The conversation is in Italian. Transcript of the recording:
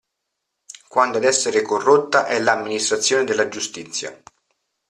Quando ad essere corrotta è l'amministrazione della giustizia.